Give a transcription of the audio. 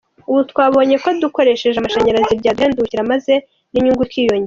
Ubu twabonye ko dukoresheje amashanyarazi byaduhendukira maze n’inyungu ikiyongera.